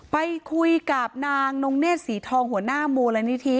ไปคุยกับนางนงเนธศรีทองหัวหน้ามูลนิธิ